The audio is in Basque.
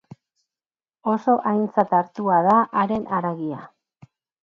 Oso aintzat hartua da haren haragia.